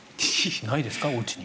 ないですかおうちに？